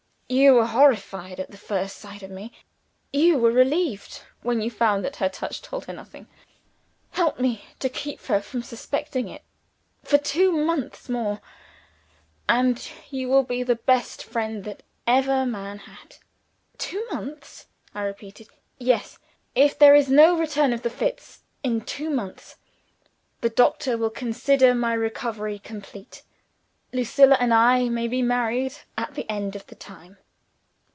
"You were horrified at the first sight of me. You were relieved when you found that her touch told her nothing. Help me to keep her from suspecting it, for two months more and you will be the best friend that ever man had." "Two months?" I repeated. "Yes. If there is no return of the fits in two months, the doctor will consider my recovery complete. Lucilla and I may be married at the end of the time."